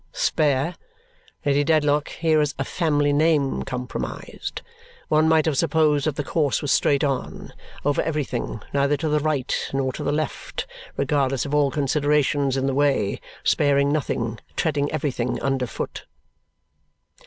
Spare! Lady Dedlock, here is a family name compromised. One might have supposed that the course was straight on over everything, neither to the right nor to the left, regardless of all considerations in the way, sparing nothing, treading everything under foot."